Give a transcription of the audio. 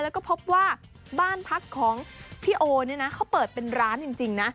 แล้วก็พบว่าบ้านพักของพี่โอเนี่ยนะเขาเปิดเป็นร้านจริงนะ